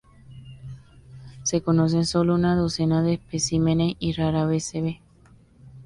Se conocen solo una docena de especímenes, y rara vez se ve.